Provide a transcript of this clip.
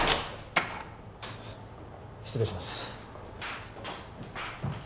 すいません失礼します